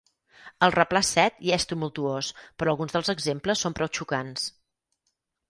El replà set ja és tumultuós, però alguns dels exemples són prou xocants.